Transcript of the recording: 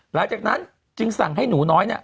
หลังจากนั้นจึงสั่งให้หนูน้อยเนี่ย